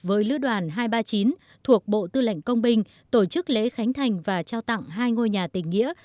với lữ đoàn hai trăm ba mươi chín thuộc bộ tư lệnh công binh tổ chức lễ khánh thành và trao tặng hai ngôi nhà tình nghĩa